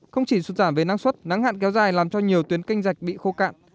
không chỉ sụt giảm về năng suất nắng hạn kéo dài làm cho nhiều tuyến canh rạch bị khô cạn